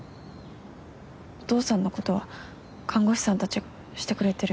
お父さんのことは看護師さんたちがしてくれてるし。